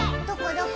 どこ？